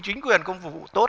chính quyền không phục vụ tốt